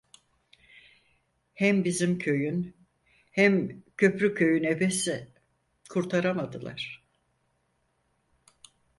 Hem bizim köyün, hem Köprüköy'ün ebesi… Kurtaramadılar…